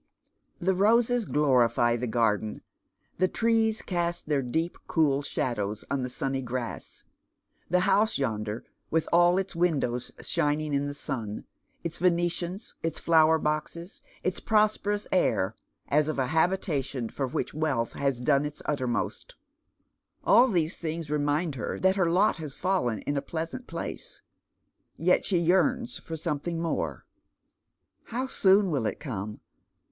The roseg glorify tlie garden, the trees cast their deep cool shadows on the sunny grass ; the house yonder, with all its windows shining in the sun, its Venetians, its flower boxes, its prosperous air, as of a habitation for which wealth has done its uttermost, — all these things remind her that her lot has fallen iu a pleasant place. Yet she yearns for something more. How soon will it come